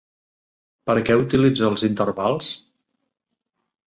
Per a què utilitza els intervals?